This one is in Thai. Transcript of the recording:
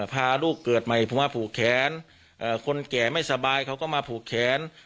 พาลูกเกิดใหม่ผมมาผูกแขนคนแก่ไม่สบายเขาก็มาผูกแขน